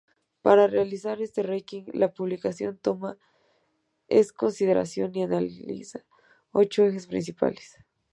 Para realizar este ranking, la publicación toma en consideración y analiza ocho ejes principales.